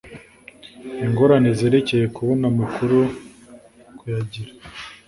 ingorane zerekeye kubona amakuru kuyagira